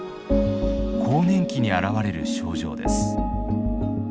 更年期に現れる症状です。